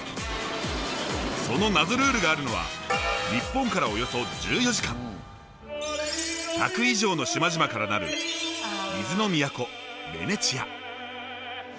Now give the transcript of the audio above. その謎ルールがあるのは日本からおよそ１４時間１００以上の島々からなる水の都ベネチア。